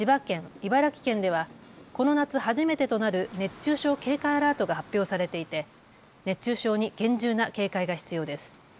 茨城県では、この夏初めてとなる熱中症警戒アラートが発表されていて熱中症に厳重な警戒が必要です。